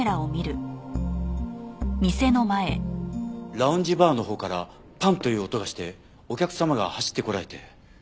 ラウンジバーのほうから「パンッ」という音がしてお客様が走ってこられて。